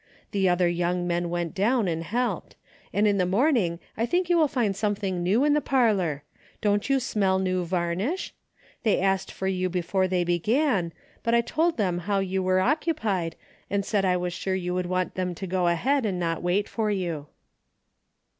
The other young men went down and helped, and in the morning I think you will find something new in the parlor. Didn't you smell new varnish ? They asked for you be fore they began, but I told them how you were occupied and said I was sure you would want them to go ahead and not wait for you."